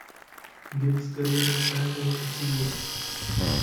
Gibb's career has spanned over fifty years.